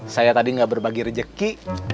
saya tadi gak berbagi rejeki